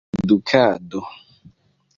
edukado